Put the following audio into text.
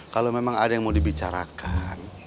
kalau memang ada yang mau dibicarakan